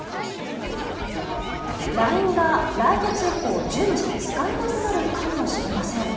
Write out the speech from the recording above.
ＬＩＮＥが来月以降順次使えなくなるかもしれません。